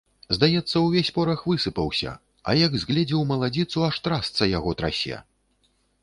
Здаецца, увесь порах высыпаўся, а як згледзеў маладзіцу, аж трасца яго трасе.